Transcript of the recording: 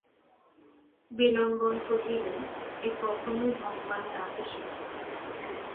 বিল্বন কহিলেন, এ কখনোই ভগবানের আদেশ নহে।